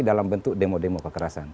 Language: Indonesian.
dalam bentuk demo demo kekerasan